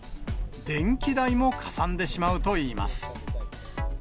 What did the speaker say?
電気代もかさんでしまうといいます。